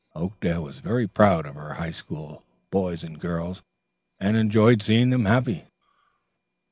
Oakdale was very proud of her High School boys and girls, and enjoyed seeing them happy.